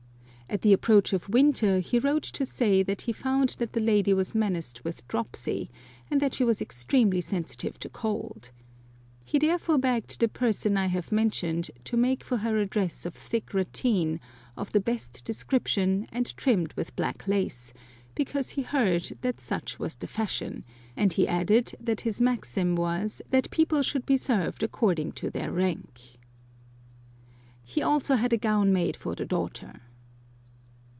" At the approach of winter he wrote to say that he found that the lady was menaced with dropsy, and that she was extremely sensitive to cold. He therefore begged the person I have mentioned to make for her a dress of thick ratteen, of the best description, and trimmed with black lace, because he heard that such was the fashion, and he added that his maxim was, that people should be served accord ing to their rank. He also had a gown made for 163 Curiosities of Olden Times the daughter.